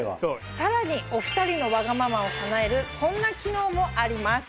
さらにお２人のわがままを叶えるこんな機能もあります。